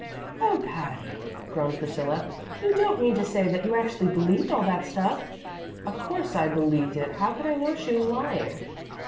"Oh, Patty," groaned Priscilla, "you don't mean to say that you actually believed all that stuff?" "Of course I believed it. How could I know she was lying?"